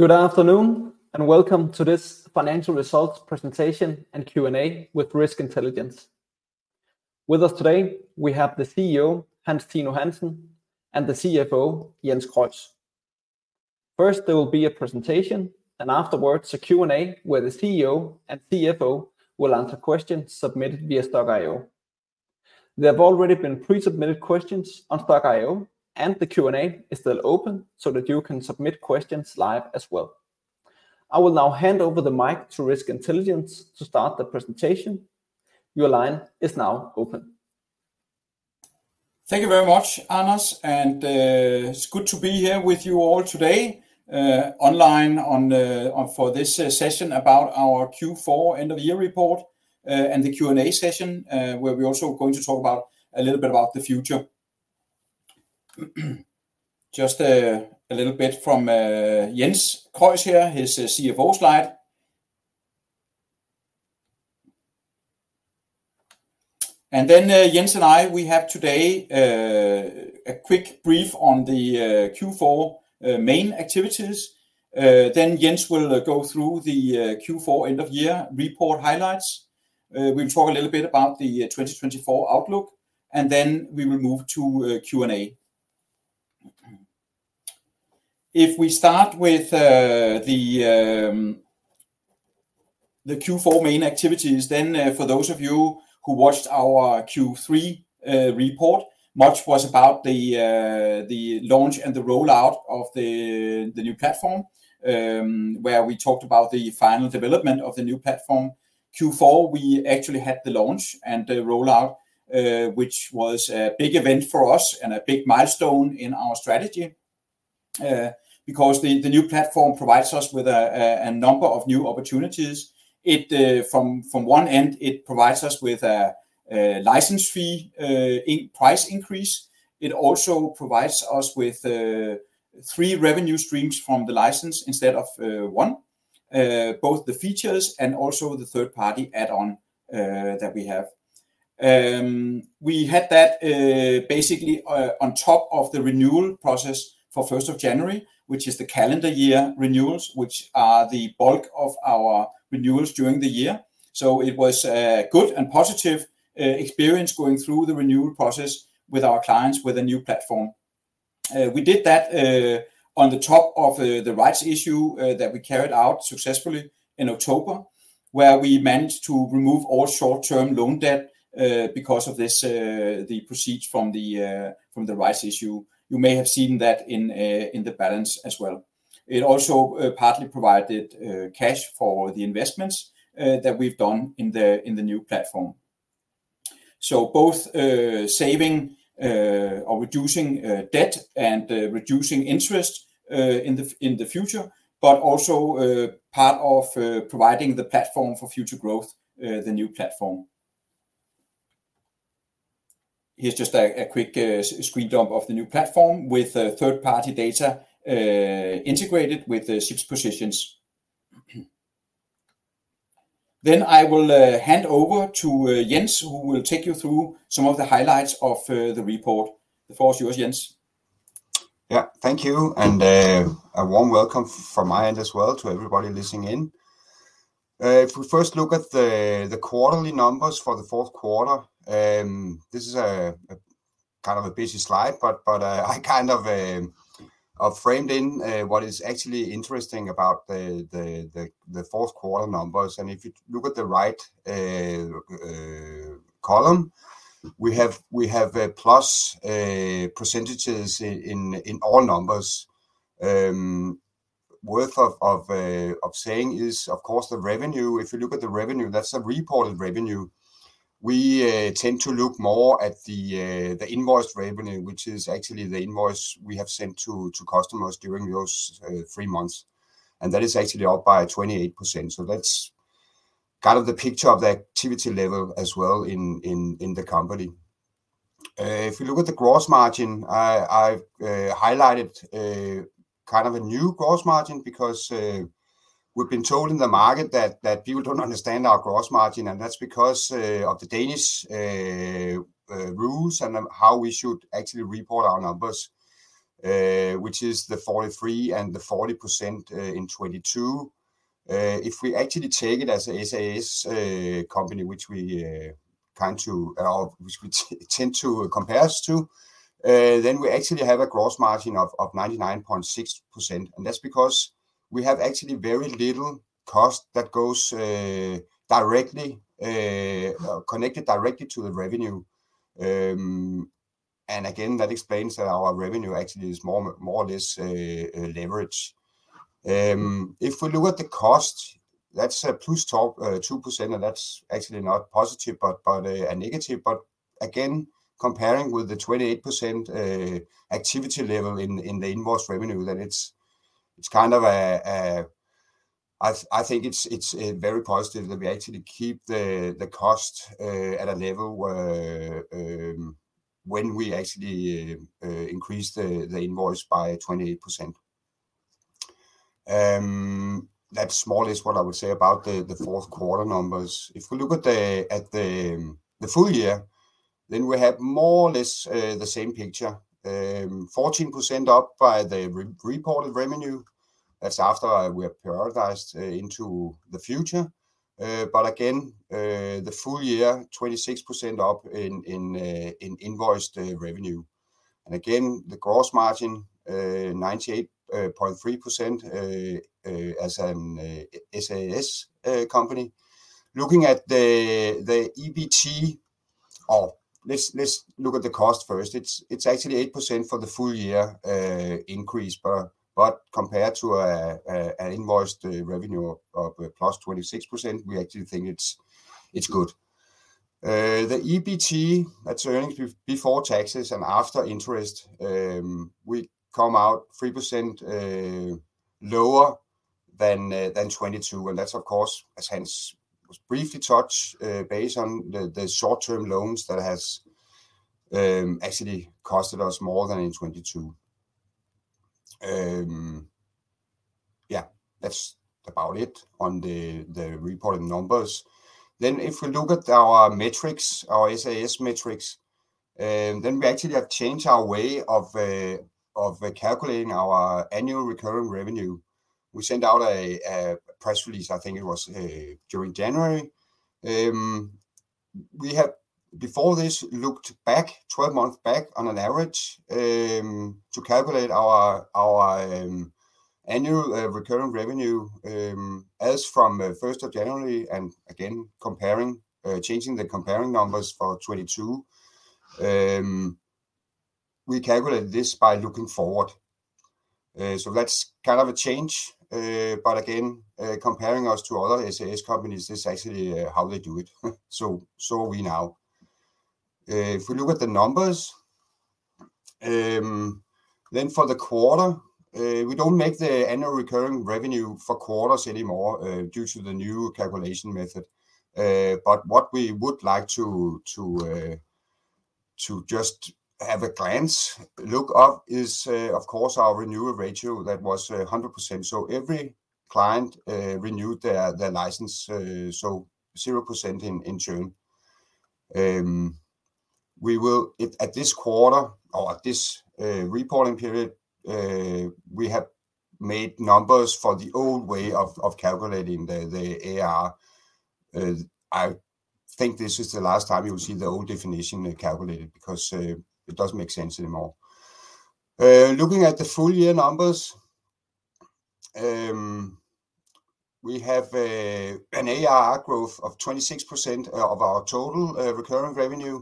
Good afternoon and welcome to this financial results presentation and Q&A with Risk Intelligence. With us today, we have the CEO Hans Tino Hansen and the CFO Jens Krøis. First, there will be a presentation, and afterwards a Q&A where the CEO and CFO will answer questions submitted via Stokk.io. There have already been pre-submitted questions on Stokk.io, and the Q&A is still open so that you can submit questions live as well. I will now hand over the mic to Risk Intelligence to start the presentation. Your line is now open. Thank you very much, Anders. It's good to be here with you all today online for this session about our Q4 end-of-year report and the Q&A session, where we're also going to talk a little bit about the future. Just a little bit from Jens Krøis here, his CFO slide. Then Jens and I, we have today a quick brief on the Q4 main activities. Jens will go through the Q4 end-of-year report highlights. We'll talk a little bit about the 2024 outlook, and then we will move to Q&A. If we start with the Q4 main activities, then for those of you who watched our Q3 report, much was about the launch and the rollout of the new platform, where we talked about the final development of the new platform. Q4, we actually had the launch and the rollout, which was a big event for us and a big milestone in our strategy because the new platform provides us with a number of new opportunities. From one end, it provides us with a license fee price increase. It also provides us with three revenue streams from the license instead of one, both the features and also the third-party add-on that we have. We had that basically on top of the renewal process for 1st of January, which is the calendar year renewals, which are the bulk of our renewals during the year. So it was a good and positive experience going through the renewal process with our clients with a new platform. We did that on top of the rights issue that we carried out successfully in October, where we managed to remove all short-term loan debt because of the proceeds from the rights issue. You may have seen that in the balance as well. It also partly provided cash for the investments that we've done in the new platform. So both saving or reducing debt and reducing interest in the future, but also part of providing the platform for future growth, the new platform. Here's just a quick screendump of the new platform with third-party data integrated with ships positions. Then I will hand over to Jens, who will take you through some of the highlights of the report. The floor is yours, Jens. Yeah, thank you. And a warm welcome from my end as well to everybody listening in. If we first look at the quarterly numbers for the fourth quarter, this is kind of a busy slide, but I kind of framed in what is actually interesting about the fourth quarter numbers. And if you look at the right column, we have plus percentages in all numbers. Worth saying is, of course, the revenue. If you look at the revenue, that's a reported revenue. We tend to look more at the invoiced revenue, which is actually the invoice we have sent to customers during those three months. And that is actually up by 28%. So that's kind of the picture of the activity level as well in the company. If you look at the gross margin, I've highlighted kind of a new gross margin because we've been told in the market that people don't understand our gross margin. And that's because of the Danish rules and how we should actually report our numbers, which is the 43% and the 40% in 2022. If we actually take it as a SaaS company, which we tend to compare us to, then we actually have a gross margin of 99.6%. And that's because we have actually very little cost that goes directly connected to the revenue. And again, that explains that our revenue actually is more or less leveraged. If we look at the cost, that's a plus top 2%, and that's actually not positive but a negative. But again, comparing with the 28% activity level in the invoice revenue, then it's kind of a—I think it's very positive that we actually keep the cost at a level when we actually increase the invoice by 28%. That's more or less what I would say about the fourth quarter numbers. If we look at the full year, then we have more or less the same picture: 14% up by the reported revenue. That's after we have prioritized into the future. But again, the full year, 26% up in invoiced revenue. And again, the gross margin, 98.3% as a SaaS company. Looking at the EBT or let's look at the cost first. It's actually 8% for the full year increase. But compared to an invoiced revenue of +26%, we actually think it's good. The EBT, that's earnings before taxes and after interest, we come out 3% lower than 2022. And that's, of course, as Hans was briefly touched, based on the short-term loans that has actually costed us more than in 2022. Yeah, that's about it on the reported numbers. Then if we look at our metrics, our SaaS metrics, then we actually have changed our way of calculating our annual recurring revenue. We sent out a press release, I think it was during January. We have, before this, looked back 12 months back on an average to calculate our annual recurring revenue as from 1st of January. And again, changing the comparing numbers for 2022, we calculate this by looking forward. So that's kind of a change. But again, comparing us to other SaaS companies, this is actually how they do it. So, now if we look at the numbers, then for the quarter, we don't make the annual recurring revenue for quarters anymore due to the new calculation method. But what we would like to just have a glance look of is, of course, our renewal ratio that was 100%. So every client renewed their license, so 0% in churn. At this quarter or at this reporting period, we have made numbers for the old way of calculating the ARR. I think this is the last time you will see the old definition calculated because it doesn't make sense anymore. Looking at the full year numbers, we have an ARR growth of 26% of our total recurring revenue.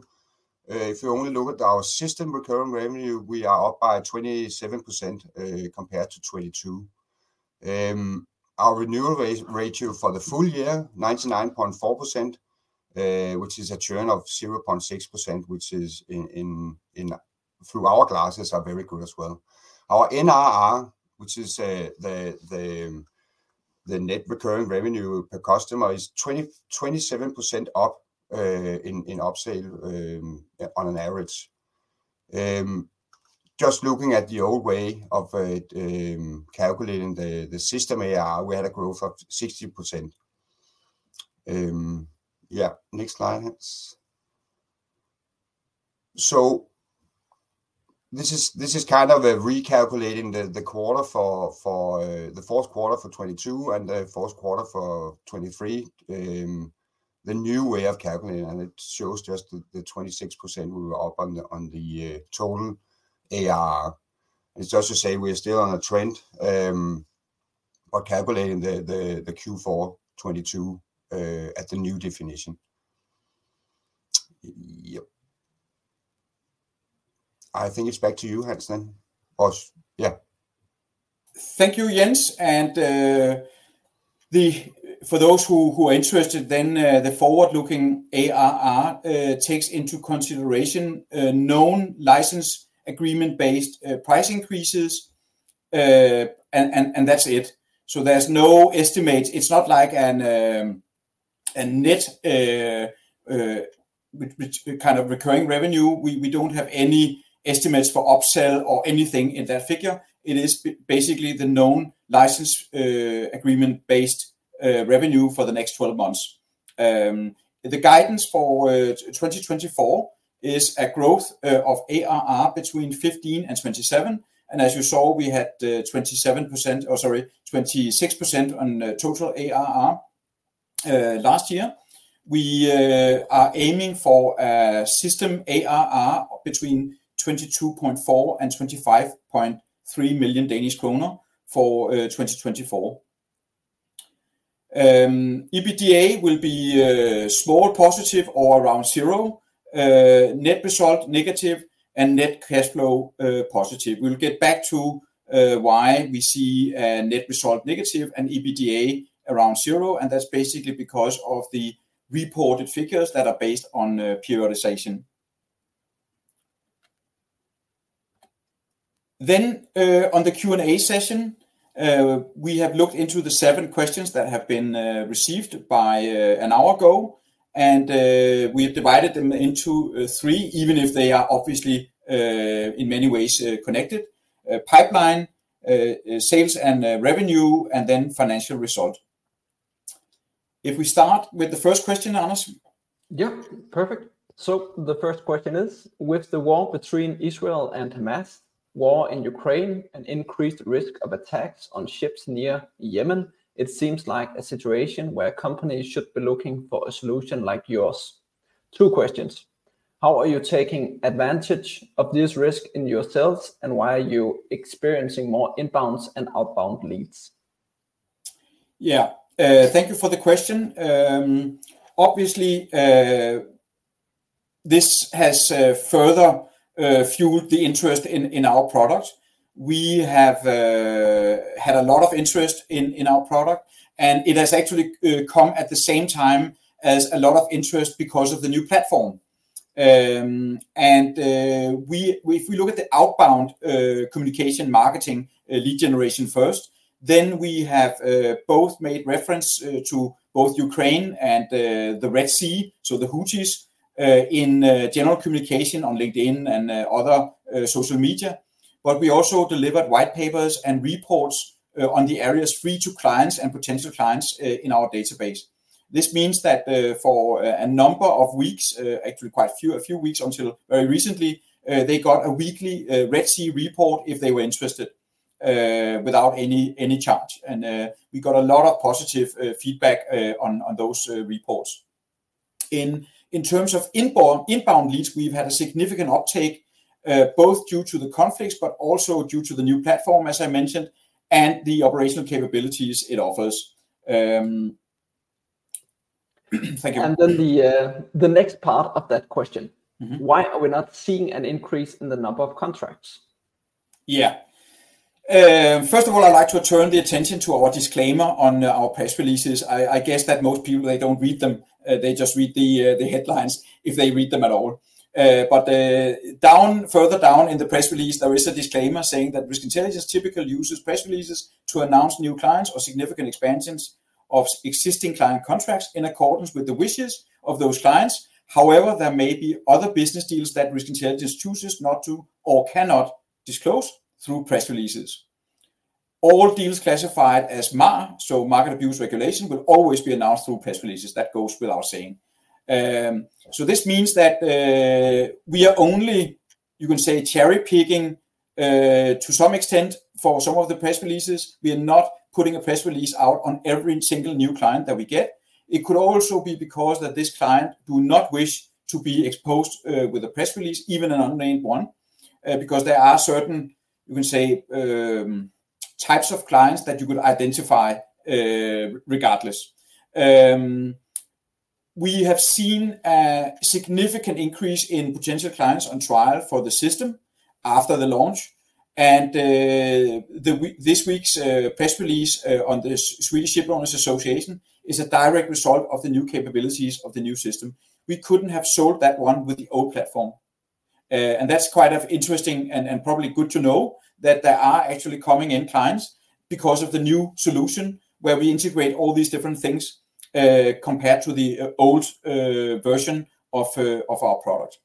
If you only look at our system recurring revenue, we are up by 27% compared to 2022. Our renewal ratio for the full year, 99.4%, which is a churn of 0.6%, which is through our glasses are very good as well. Our NRR, which is the net recurring revenue per customer, is 27% up in upsell on an average. Just looking at the old way of calculating the system ARR, we had a growth of 60%. Yeah. Next slide, Hans. So this is kind of recalculating the quarter for the fourth quarter for 2022 and the fourth quarter for 2023, the new way of calculating. And it shows just the 26% we were up on the total ARR. It's just to say we are still on a trend by calculating the Q4 2022 at the new definition. Yep. I think it's back to you, Hans, then. Or yeah. Thank you, Jens. For those who are interested, then the forward-looking ARR takes into consideration known license agreement-based price increases. And that's it. So there's no estimates. It's not like a net kind of recurring revenue. We don't have any estimates for upsell or anything in that figure. It is basically the known license agreement-based revenue for the next 12 months. The guidance for 2024 is a growth of ARR between 15%-27%. And as you saw, we had 27% or sorry, 26% on total ARR last year. We are aiming for a system ARR between 22.4 million-25.3 million Danish kroner for 2024. EBITDA will be small positive or around zero, net result negative, and net cash flow positive. We'll get back to why we see a net result negative and EBITDA around zero. And that's basically because of the reported figures that are based on periodization. Then on the Q&A session, we have looked into the seven questions that have been received an hour ago. We have divided them into three, even if they are obviously in many ways connected: pipeline, sales and revenue, and then financial result. If we start with the first question, Anders. Yeah, perfect. So the first question is, with the war between Israel and Hamas, war in Ukraine, and increased risk of attacks on ships near Yemen, it seems like a situation where companies should be looking for a solution like yours. Two questions. How are you taking advantage of this risk in yourselves, and why are you experiencing more inbounds and outbound leads? Yeah. Thank you for the question. Obviously, this has further fueled the interest in our product. We have had a lot of interest in our product. And it has actually come at the same time as a lot of interest because of the new platform. And if we look at the outbound communication marketing, lead generation first, then we have both made reference to both Ukraine and the Red Sea, so the Houthis, in general communication on LinkedIn and other social media. But we also delivered white papers and reports on the areas free to clients and potential clients in our database. This means that for a number of weeks, actually quite a few weeks until very recently, they got a weekly Red Sea report if they were interested without any charge. And we got a lot of positive feedback on those reports. In terms of inbound leads, we've had a significant uptake both due to the conflicts but also due to the new platform, as I mentioned, and the operational capabilities it offers. Thank you. And then the next part of that question, why are we not seeing an increase in the number of contracts? Yeah. First of all, I'd like to turn the attention to our disclaimer on our press releases. I guess that most people, they don't read them. They just read the headlines if they read them at all. But further down in the press release, there is a disclaimer saying that Risk Intelligence typically uses press releases to announce new clients or significant expansions of existing client contracts in accordance with the wishes of those clients. However, there may be other business deals that Risk Intelligence chooses not to or cannot disclose through press releases. All deals classified as MAR, so Market Abuse Regulation, will always be announced through press releases. That goes without saying. So this means that we are only, you can say, cherry-picking to some extent for some of the press releases. We are not putting a press release out on every single new client that we get. It could also be because that this client does not wish to be exposed with a press release, even an unnamed one, because there are certain, you can say, types of clients that you could identify regardless. We have seen a significant increase in potential clients on trial for the system after the launch. This week's press release on the Swedish Shipowners’ Association is a direct result of the new capabilities of the new system. We couldn't have sold that one with the old platform. That's quite interesting and probably good to know that there are actually coming in clients because of the new solution where we integrate all these different things compared to the old version of our product.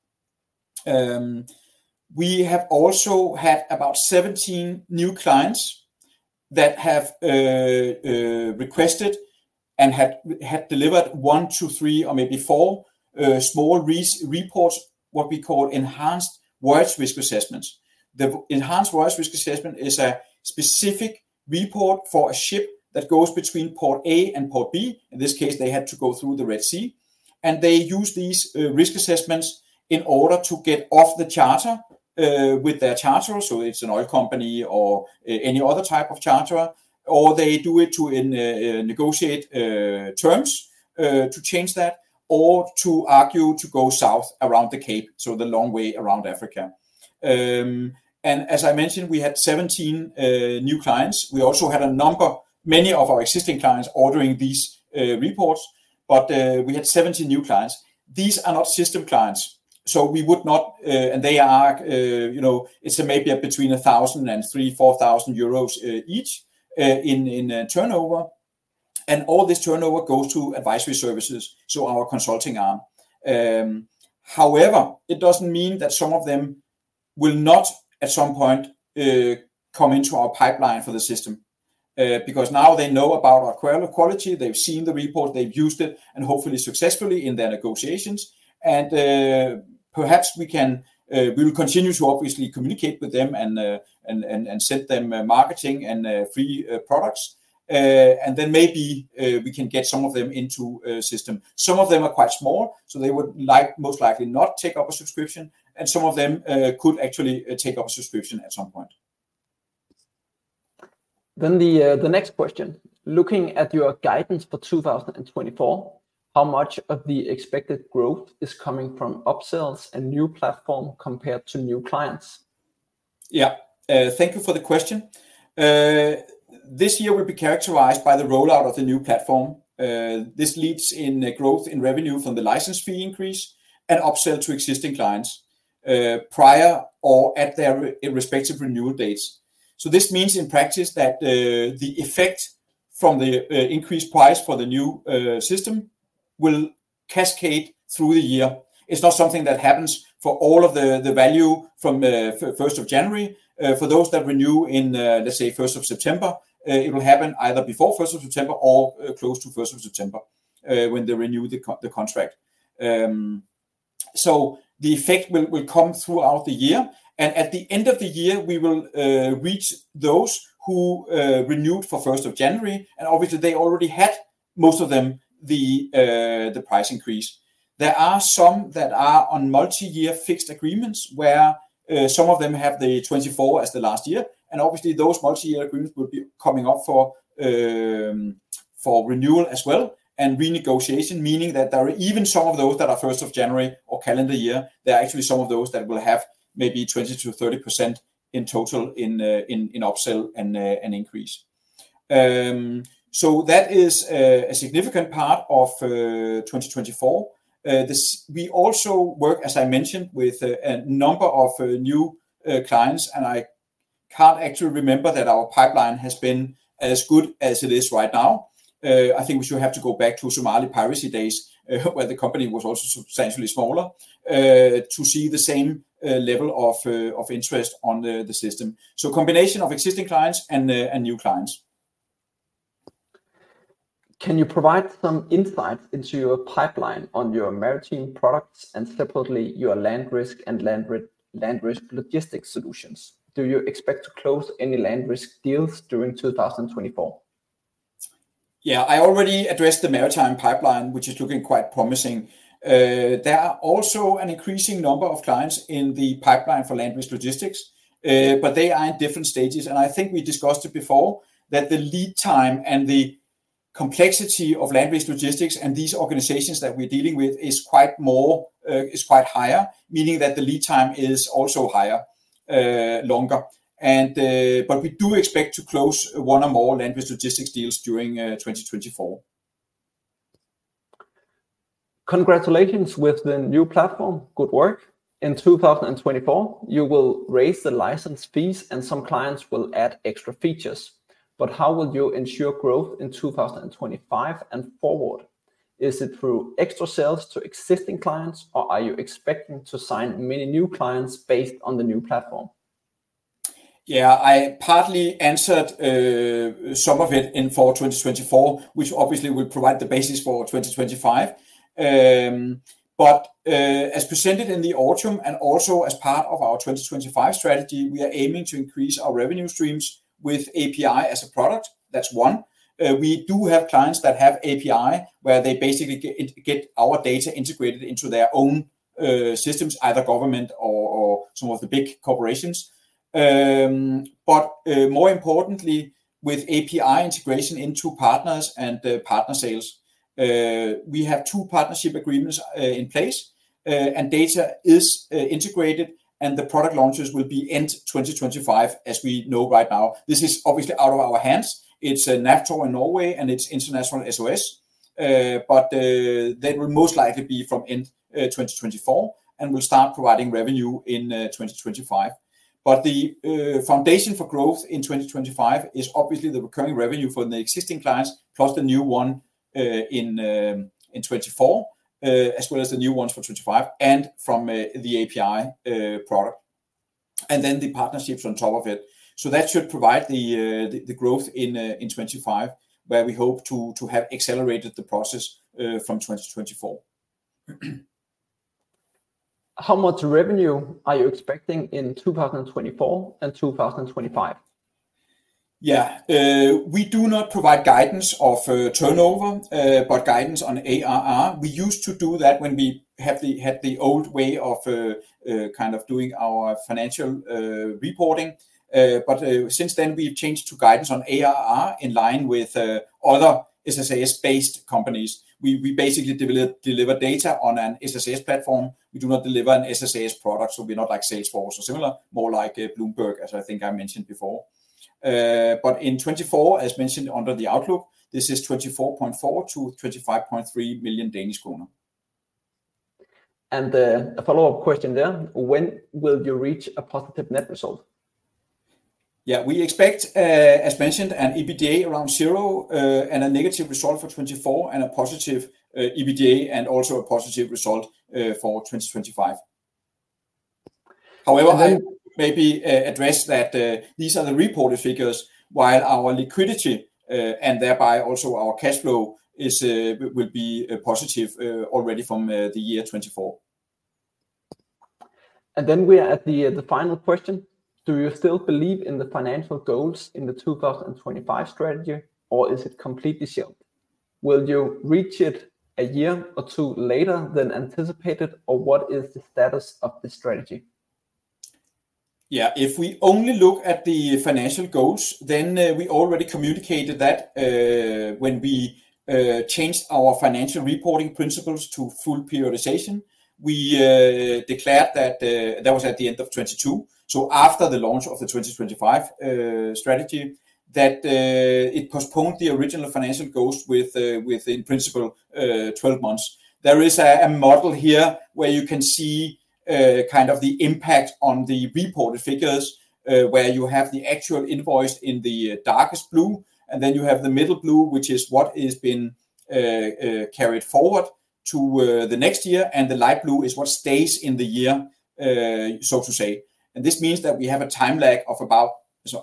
We have also had about 17 new clients that have requested and had delivered 1, 2, 3, or maybe 4 small reports, what we call Voyage Risk Assessments. The Voyage Risk Assessment is a specific report for a ship that goes between port A and port B. In this case, they had to go through the Red Sea. They use these risk assessments in order to get off the charter with their charter. So it's an oil company or any other type of charter. Or they do it to negotiate terms to change that or to argue to go south around the Cape, so the long way around Africa. As I mentioned, we had 17 new clients. We also had a number, many of our existing clients, ordering these reports. But we had 17 new clients. These are not system clients. So we would not and they are it's maybe between 1,000 and 3,000, 4,000 euros each in turnover. All this turnover goes to advisory services, so our consulting arm. However, it doesn't mean that some of them will not, at some point, come into our pipeline for the system because now they know about our quality. They've seen the report. They've used it, and hopefully successfully, in their negotiations. Perhaps we will continue to obviously communicate with them and send them marketing and free products. Then maybe we can get some of them into the system. Some of them are quite small, so they would most likely not take up a subscription. Some of them could actually take up a subscription at some point. The next question. Looking at your guidance for 2024, how much of the expected growth is coming from upsells and new platform compared to new clients? Yeah. Thank you for the question. This year will be characterized by the rollout of the new platform. This leads in growth in revenue from the license fee increase and upsell to existing clients prior or at their respective renewal dates. So this means, in practice, that the effect from the increased price for the new system will cascade through the year. It's not something that happens for all of the value from 1st of January. For those that renew in, let's say, 1st of September, it will happen either before 1st of September or close to 1st of September when they renew the contract. So the effect will come throughout the year. And at the end of the year, we will reach those who renewed for 1st of January. And obviously, they already had, most of them, the price increase. There are some that are on multi-year fixed agreements where some of them have the 2024 as the last year. Obviously, those multi-year agreements will be coming up for renewal as well and renegotiation, meaning that there are even some of those that are 1st of January or calendar year. There are actually some of those that will have maybe 20%-30% in total in upsell and increase. So that is a significant part of 2024. We also work, as I mentioned, with a number of new clients. And I can't actually remember that our pipeline has been as good as it is right now. I think we should have to go back to Somali piracy days where the company was also substantially smaller to see the same level of interest on the system. So combination of existing clients and new clients. Can you provide some insights into your pipeline on your maritime products and separately your LandRisk and LandRisk Logistics solutions? Do you expect to close any LandRisk deals during 2024? Yeah. I already addressed the maritime pipeline, which is looking quite promising. There are also an increasing number of clients in the pipeline for LandRisk Logistics. They are in different stages. I think we discussed it before, that the lead time and the complexity of LandRisk Logistics and these organizations that we're dealing with is quite higher, meaning that the lead time is also longer. We do expect to close one or more LandRisk Logistics deals during 2024. Congratulations with the new platform. Good work. In 2024, you will raise the license fees, and some clients will add extra features. But how will you ensure growth in 2025 and forward? Is it through extra sales to existing clients, or are you expecting to sign many new clients based on the new platform? Yeah. I partly answered some of it in for 2024, which obviously will provide the basis for 2025. But as presented in the autumn and also as part of our 2025 strategy, we are aiming to increase our revenue streams with API as a product. That's one. We do have clients that have API where they basically get our data integrated into their own systems, either government or some of the big corporations. But more importantly, with API integration into partners and partner sales, we have two partnership agreements in place. And data is integrated. And the product launches will be end 2025, as we know right now. This is obviously out of our hands. It's NAVTOR in Norway, and it's International SOS. But that will most likely be from end 2024 and will start providing revenue in 2025. But the foundation for growth in 2025 is obviously the recurring revenue from the existing clients plus the new one in 2024, as well as the new ones for 2025 and from the API product and then the partnerships on top of it. So that should provide the growth in 2025, where we hope to have accelerated the process from 2024. How much revenue are you expecting in 2024 and 2025? Yeah. We do not provide guidance of turnover, but guidance on ARR. We used to do that when we had the old way of kind of doing our financial reporting. But since then, we've changed to guidance on ARR in line with other SaaS-based companies. We basically deliver data on a SaaS platform. We do not deliver a SaaS product. So we're not like Salesforce or similar, more like Bloomberg, as I think I mentioned before. But in 2024, as mentioned under the Outlook, this is 24.4 million-25.3 million Danish kroner. A follow-up question there. When will you reach a positive net result? Yeah. We expect, as mentioned, an EBITDA around zero and a negative result for 2024 and a positive EBITDA and also a positive result for 2025. However, I maybe address that these are the reported figures while our liquidity and thereby also our cash flow will be positive already from the year 2024. And then we are at the final question. Do you still believe in the financial goals in the 2025 strategy, or is it completely shelved? Will you reach it a year or two later than anticipated, or what is the status of the strategy? Yeah. If we only look at the financial goals, then we already communicated that when we changed our financial reporting principles to full periodization, we declared that that was at the end of 2022, so after the launch of the 2025 strategy, that it postponed the original financial goals within, in principle, 12 months. There is a model here where you can see kind of the impact on the reported figures, where you have the actual invoice in the darkest blue, and then you have the middle blue, which is what has been carried forward to the next year. And the light blue is what stays in the year, so to say. And this means that we have a time lag of about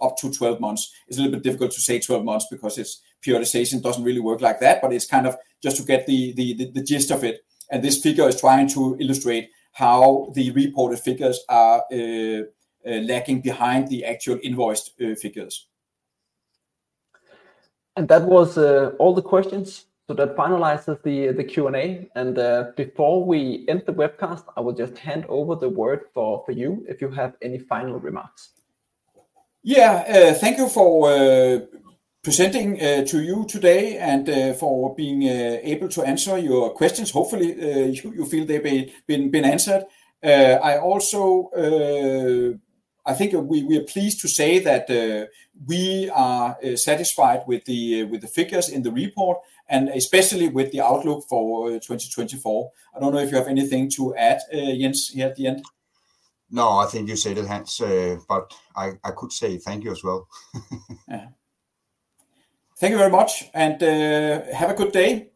up to 12 months. It's a little bit difficult to say 12 months because periodization doesn't really work like that. But it's kind of just to get the gist of it. This figure is trying to illustrate how the reported figures are lagging behind the actual invoiced figures. That was all the questions. That finalizes the Q&A. Before we end the webcast, I will just hand over the word for you if you have any final remarks. Yeah. Thank you for presenting to you today and for being able to answer your questions. Hopefully, you feel they've been answered. I think we are pleased to say that we are satisfied with the figures in the report and especially with the Outlook for 2024. I don't know if you have anything to add, Jens, here at the end. No, I think you said it, Hans. But I could say thank you as well. Thank you very much. Have a good day.